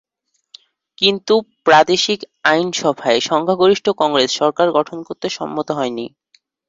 কিন্তু প্রাদেশিক আইনসভায় সংখ্যাগরিষ্ঠ কংগ্রেস সরকার গঠন করতে সম্মত হয়নি।